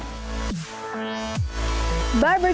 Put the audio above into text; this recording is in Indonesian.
menurut saya ini adalah hal yang sangat menarik